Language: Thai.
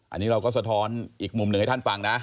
อันนี้เราก็สะท้อนอีกมุมหนึ่งให้ท่านฟังนะ